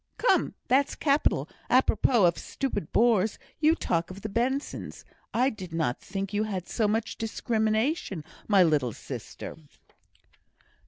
"Come, that's capital! Apropos of stupid bores, you talk of the Bensons. I did not think you had so much discrimination, my little sister."